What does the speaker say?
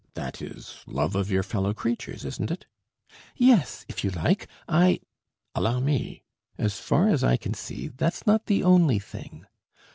That is love of your fellow creatures, isn't it?" "Yes, if you like. I...." "Allow me! As far as I can see, that's not the only thing.